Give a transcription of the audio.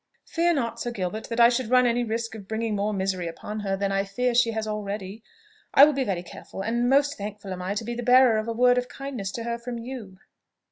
"Fear not, Sir Gilbert, that I should run any risk of bringing more misery upon her than, I fear, she has already. I will be very careful, and most thankful am I to be the bearer of a word of kindness to her from you!"